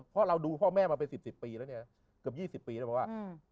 เพราะเราดูพ่อแม่มาเป็น๑๐ปีแล้วเนี่ยเกือบ๒๐ปีแล้วบอกว่า